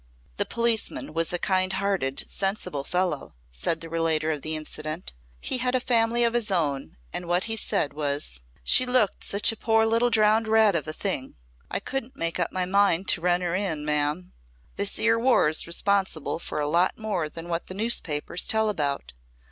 "The policeman was a kind hearted, sensible fellow," said the relator of the incident. "He had a family of his own and what he said was 'She looked such a poor little drowned rat of a thing I couldn't make up my mind to run her in, ma'am. This 'ere war's responsible for a lot more than what the newspapers tell about.